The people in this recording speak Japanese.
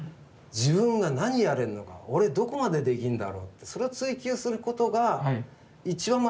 自分が何やれるのか俺どこまでできるんだろうってそれを追求することが一番真面目な姿勢だと思うんですよ。